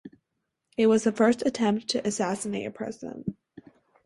It was the first attempt to assassinate a President.